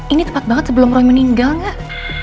ini tepat banget sebelum roy meninggal gak